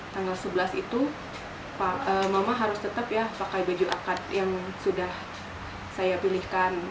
tanggal sebelas itu mama harus tetap ya pakai baju akad yang sudah saya pilihkan